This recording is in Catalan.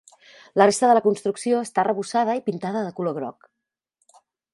La resta de la construcció està arrebossada i pintada de color groc.